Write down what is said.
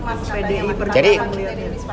mas pdi berjaga jaga melihatnya